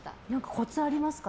コツありますか？